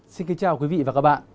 xin kính chào quý vị và các bạn